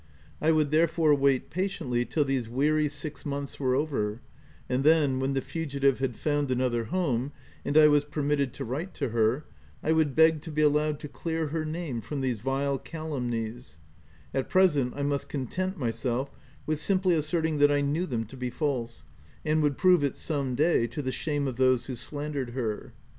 I would therefore wait patiently till these weary six months were over, and then, when the fugitive had found another home, and I was permitted to write to her, I would beg to be allowed to clear her name from these vile calumnies : at present I must content myself with simply as serting that I knew them to be false, and would prove it some day, to the shame of those who slandered her.